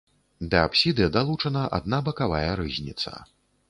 Да апсіды далучана адна бакавая рызніца.